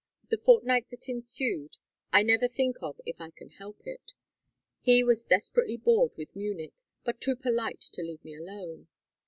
The fortnight that ensued I never think of if I can help it. He was desperately bored with Munich, but too polite to leave me alone.